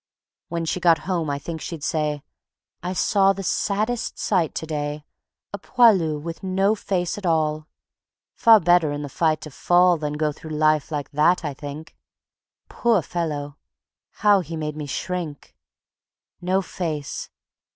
When she got home I think she'd say: "I saw the saddest sight to day A poilu with no face at all. Far better in the fight to fall Than go through life like that, I think. Poor fellow! how he made me shrink. No face.